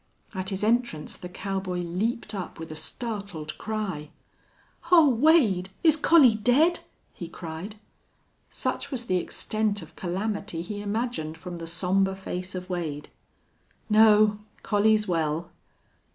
At his entrance the cowboy leaped up with a startled cry. "Oh, Wade!... Is Collie dead?" he cried. Such was the extent of calamity he imagined from the somber face of Wade. "No. Collie's well."